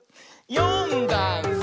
「よんだんす」